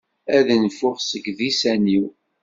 Ad t-nfuɣ seg disan-iw.